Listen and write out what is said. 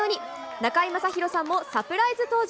中居正広さんもサプライズ登場。